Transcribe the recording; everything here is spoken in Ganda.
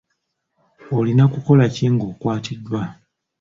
Olina kukola ki ng'okwatiddwa?